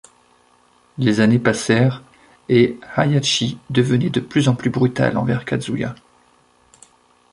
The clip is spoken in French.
Les années passèrent et Heihachi devenait de plus en plus brutal envers Kazuya.